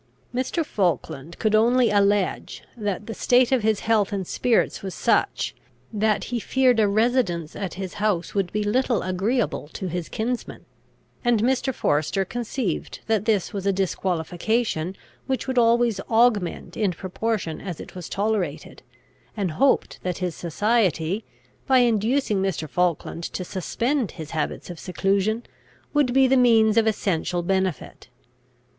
Mr. Falkland could only allege, that the state of his health and spirits was such, that he feared a residence at his house would be little agreeable to his kinsman; and Mr. Forester conceived that this was a disqualification which would always augment in proportion as it was tolerated, and hoped that his society, by inducing Mr. Falkland to suspend his habits of seclusion, would be the means of essential benefit.